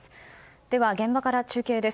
では現場から中継です。